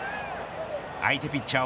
相手ピッチャー